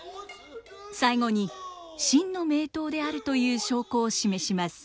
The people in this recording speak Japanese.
最後に真の名刀であるという証拠を示します。